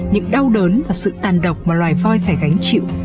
những đau đớn và sự tàn độc mà loài voi phải gánh chịu